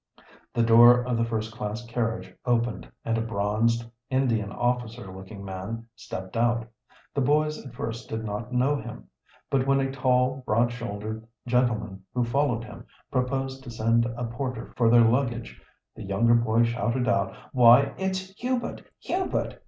The door of the first class carriage opened, and a bronzed, Indian officer looking man stepped out. The boys at first did not know him. But when a tall, broad shouldered gentleman, who followed him, proposed to send a porter for their luggage, the younger boy shouted out—"Why, it's Hubert! Hubert!